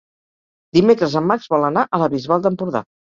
Dimecres en Max vol anar a la Bisbal d'Empordà.